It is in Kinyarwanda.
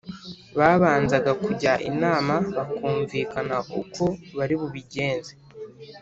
babanzaga kujya inama bakumvikana uko bari bubigenze